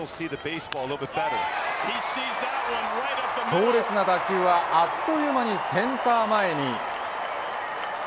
強烈な打球はあっという間にセンター前に。